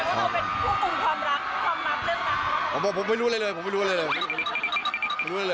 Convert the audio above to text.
เพราะเราเป็นผู้ปรุงความรักเรื่องรัก